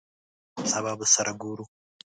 سبا به سره ګورو !